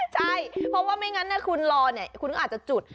ใช่เพราะว่าไม่งั้นคุณรอคุณอาจจะจุด